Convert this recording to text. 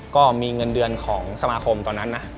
ก็มีเงินเดือนของสมาคมตอนนั้นนะ